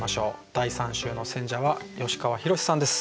第３週の選者は吉川宏志さんです。